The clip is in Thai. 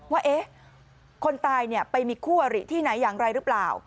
ว่าคนตายไปมีคู่อริที่ไหนอย่างไรหรือเปล่า